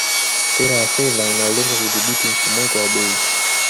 Sera ya fedha inayolenga kudhibiti mfumuko wa bei